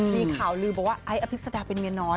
มีข่าวลือบอกว่าไอ้อภิษฎาเป็นเมียน้อย